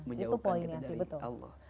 menjauhkan kita dari allah